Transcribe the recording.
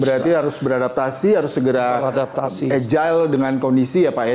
berarti harus beradaptasi harus segera agile dengan kondisi ya pak ya